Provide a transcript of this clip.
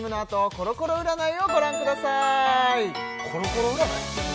コロコロ占い？